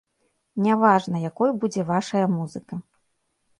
Не важна, якой будзе вашая музыка.